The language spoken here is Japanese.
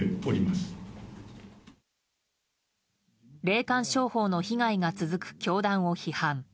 霊感商法の被害が続く教団を批判。